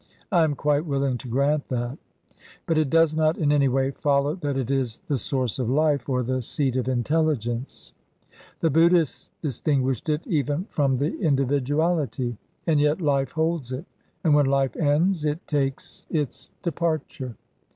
I am quite willing to grant that. But it does not in any way follow that it is the source of life, or the seat of intelligence. The Buddhists distinguished it even from the individuality. And yet life holds it, and when life ends it takes its departure.